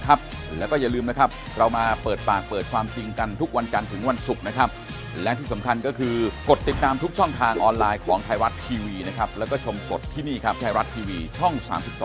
หลวงก็บอกไม่ติดใจก็เลยไม่ส่ง